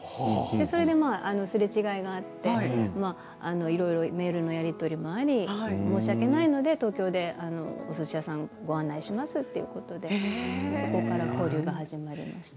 それで、すれ違いがあっていろいろメールのやり取りもあり申し訳ないので東京でおすし屋さんをご案内しますということでそこから交流が始まりました。